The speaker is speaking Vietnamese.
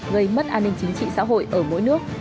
gây mất an ninh chính trị xã hội ở mỗi nước